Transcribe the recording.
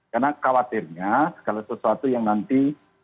karena khawatirnya segala sesuatu yang nanti